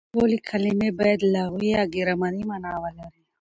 د جملې ټولي کلیمې باید لغوي يا ګرامري مانا ولري.